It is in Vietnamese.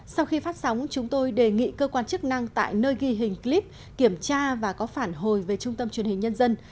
sau khi phát sóng chúng tôi đề nghị cơ quan chức năng tại nơi ghi hình clip kiểm tra và có phản hồi về trung tâm truyền hình nhân dân